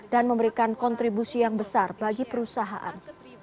dan memberikan kontribusi yang besar bagi perusahaan